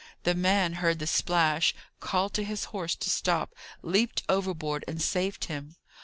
The man heard the splash, called to his horse to stop, leaped overboard, and saved him.